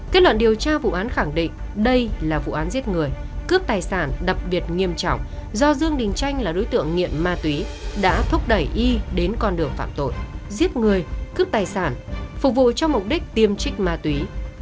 kết luận điều tra vụ án khẳng định đây là vụ án giết người cướp tài sản đặc biệt nghiêm trọng do dương đình chanh là đối tượng nghiện ma túy đã thúc đẩy y đến con đường phạm tội giết người cướp tài sản phục vụ cho mục đích tiêm trích ma túy